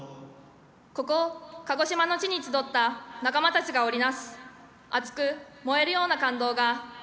ここ鹿児島の地に集った仲間たちが織り成す熱く燃えるような感動が。